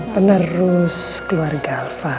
penerus keluarga alva